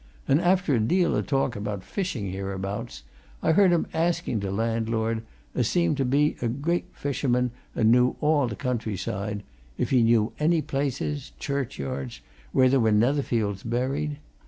And, after a deal o' talk about fishing hereabouts, I heard him asking t' landlord, as seemed to be a gr't fisherman and knew all t' countryside, if he knew any places, churchyards, where there were Netherfields buried?